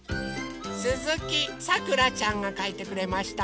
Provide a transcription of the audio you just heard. すずきさくらちゃんがかいてくれました。